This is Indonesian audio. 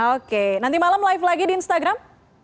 oke nanti malam live lagi di instagram